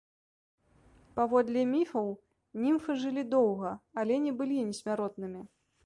Паводле міфаў німфы жылі доўга, але не былі несмяротнымі.